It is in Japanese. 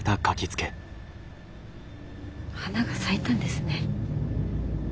花が咲いたんですね。